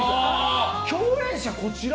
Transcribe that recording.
共演者こちら？